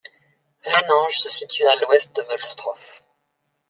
Reinange se situe à l'ouest de Volstroff.